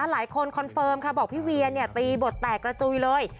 คอนเฟิร์มค่ะบอกพี่เวียตีบทแตกกระจุยเลย